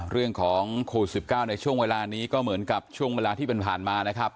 เรื่องของโควิด๑๙ในช่วงเวลานี้ก็เหมือนกับช่วงเวลาที่ผ่านมานะครับ